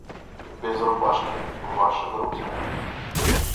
Без рубашки, ваши груди...